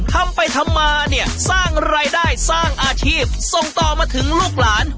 ทำไปทำมาเนี่ยสร้างรายได้สร้างอาชีพส่งต่อมาถึงลูกหลาน